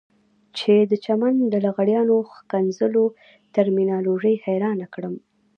چې د چمن د لغړیانو ښکنځلو ترمینالوژي حيرانه کړه.